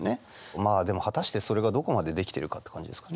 まあでも果たしてそれがどこまでできてるかって感じですかね。